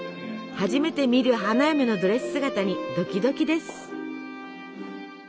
初めて見る花嫁のドレス姿にドキドキです。